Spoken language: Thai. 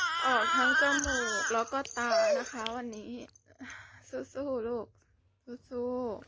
ออกทั้งจมูกแล้วก็ตานะคะวันนี้สู้ลูกสู้